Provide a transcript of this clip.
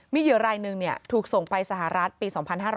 มีเหยื่อรายหนึ่งถูกส่งไปสหรัฐปี๒๕๕๙